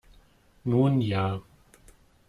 Nun ja.